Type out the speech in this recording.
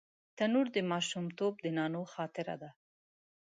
تنور د ماشومتوب د نانو خاطره ده